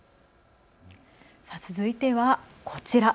続いてはこちら。